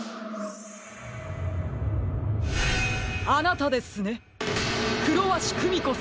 あなたですねクロワシクミコさん。